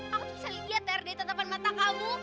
aku tuh bisa lihat ter dari tetapan mata kamu